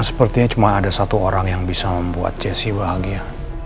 sepertinya cuma ada satu orang yang bisa membuat jesse bahagia